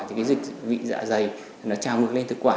thì cái dịch vị dạ dày nó trào ngược lên thực quả